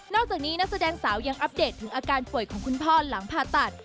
จากนี้นักแสดงสาวยังอัปเดตถึงอาการป่วยของคุณพ่อหลังผ่าตัด